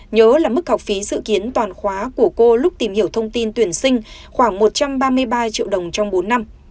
nhớ là mức học phí dự kiến toàn khóa của cô lúc tìm hiểu thông tin tuyển sinh khoảng một trăm ba mươi ba triệu đồng trong bốn năm